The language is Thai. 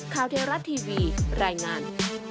ข่าวเทราะห์ทีวีรายงาน